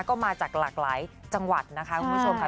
ก็มาจากหลากหลายจังหวัดนะคะคุณผู้ชมค่ะ